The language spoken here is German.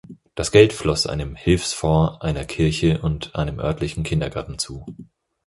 Das Geld floss einem Hilfsfonds einer Kirche und einem örtlichen Kindergarten zu.